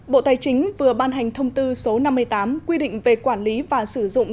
bộ tài chính vừa ban hành thông tư số năm mươi tám quy định về quản lý và sử dụng